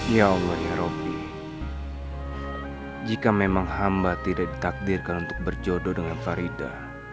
ya allah ya roby jika memang hamba tidak ditakdirkan untuk berjodoh dengan farida